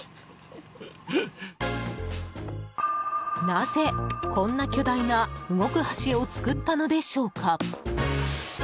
なぜこんな巨大な動く橋を造ったのでしょうか？